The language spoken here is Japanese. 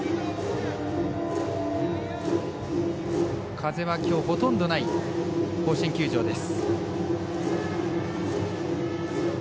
風はきょうほとんどない甲子園球場です。